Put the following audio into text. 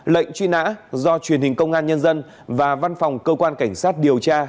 lệnh truy nã do truyền hình công an nhân dân và văn phòng cơ quan cảnh sát điều tra